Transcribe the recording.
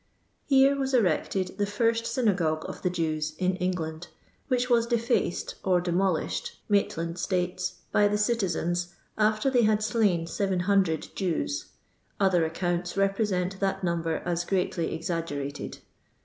Here was erected the first synagogue of the Jews in Bngliind, which was deu^d or demolished, Maitland states, by the citizens, after ^they had ■lain 7(K) Jews (other accounts represent that number as greatly exaggerated).